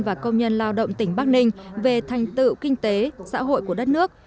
và công nhân lao động tỉnh bắc ninh về thành tựu kinh tế xã hội của đất nước